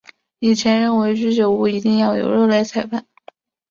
以前认为居酒屋一定要有肉类饭菜。